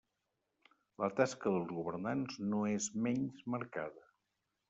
La tasca dels governants no és menys marcada.